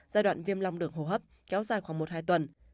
giai đoạn viêm lòng đường hô hấp kéo dài khoảng một hai tuần